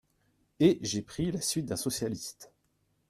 Et j’ai pris la suite d’un socialiste